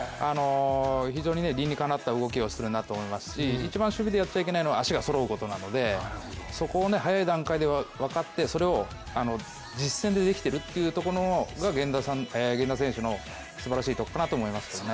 非常に理にかなった動きをするなと思いますし一番守備でやってはいけないのは足がそろうことなので、そこを早い段階で分かってそれを実践でできてるっていうところが、源田選手のすばらしいところかなと思いますね。